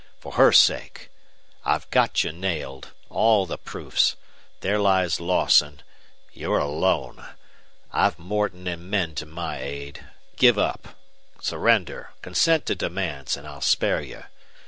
For her sake! I've got you nailed all the proofs. There lies Lawson. You're alone. I've Morton and men to my aid. Give up. Surrender. Consent to demands, and I'll spare you.